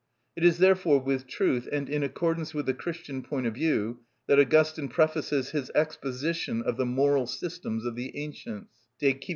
It is therefore with truth and in accordance with the Christian point of view that Augustine prefaces his exposition of the moral systems of the ancients (_De Civ.